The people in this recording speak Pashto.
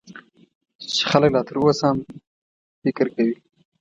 چې خلک لا تر اوسه هم فکر کوي .